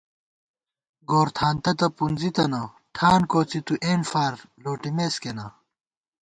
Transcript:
گورتھانتہ تہ پُنزی تنہ ٹھان کوڅی تُو اېنفارلوٹِمېس کېنا